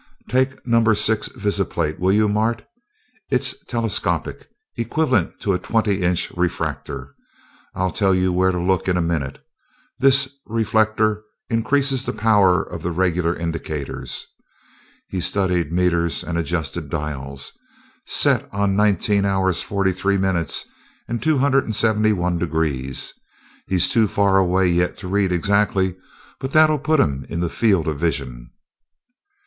"Take number six visiplate, will you, Mart? It's telescopic, equivalent to a twenty inch refractor. I'll tell you where to look in a minute this reflector increases the power of the regular indicator." He studied meters and adjusted dials. "Set on nineteen hours forty three minutes, and two hundred seventy one degrees. He's too far away yet to read exactly, but that'll put him in the field of vision."